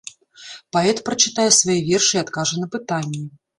Паэт прачытае свае вершы і адкажа на пытанні.